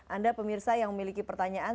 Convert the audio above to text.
anda pemirsa yang memiliki pertanyaan